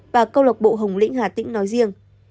và câu lạc bộ hồng lĩnh hà tĩnh nói riêng